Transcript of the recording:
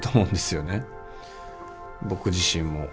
僕自身も。